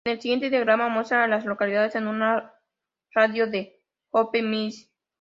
El siguiente diagrama muestra a las localidades en un radio de de Hope Mills.